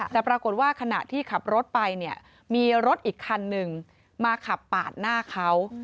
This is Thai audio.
แต่ปรากฏว่าขณะที่ขับรถไปเนี่ยมีรถอีกคันหนึ่งมาขับปาดหน้าเขา